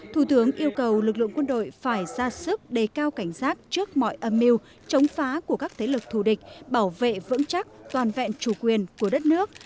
thủ tướng yêu cầu lực lượng quân đội phải ra sức đề cao cảnh giác trước mọi âm mưu chống phá của các thế lực thù địch bảo vệ vững chắc toàn vẹn chủ quyền của đất nước